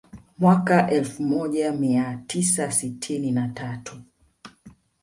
Mwaka elfu moja mia tisa sitini na tatu